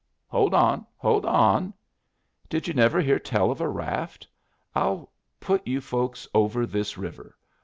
"Hold on! hold on! Did you never hear tell of a raft? I'll put you folks over this river.